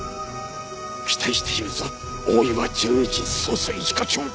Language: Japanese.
期待しているぞ大岩純一捜査一課長。